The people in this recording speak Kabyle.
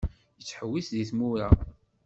Yettḥewwis deg tmura